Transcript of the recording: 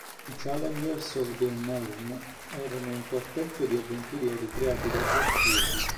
I Challengers of the Unknown erano un quartetto di avventurieri creati da Jack Kirby.